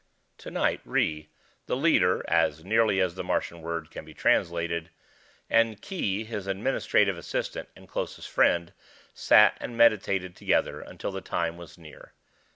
Tonight Ry, the leader (as nearly as the Martian word can be translated), and Khee, his administrative assistant and closest friend, sat and meditated together until the time was near.